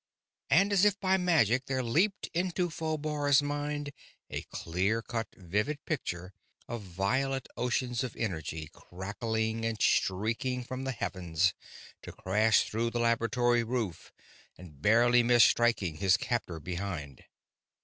And as if by magic there leaped into Phobar's mind a clear cut, vivid picture of violet oceans of energy crackling and streaking from the heavens to crash through the laboratory roof and barely miss striking his captor behind.